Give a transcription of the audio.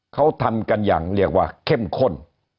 เขาทำกันอย่างเรียกว่าเข้มข้น